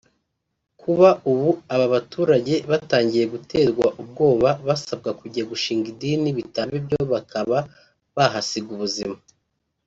Kuri ubu aba baturage batangiye guterwa ubwoba basabwa kujya gushinga idini bitaba ibyo bakaba bahasiga ubuzima